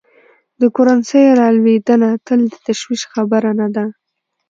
د کرنسۍ رالوېدنه تل د تشویش خبره نه ده.